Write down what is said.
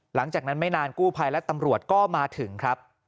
หลังจากนั้นไม่นานกู้ภัยและตำรวจก็มาถึงครับ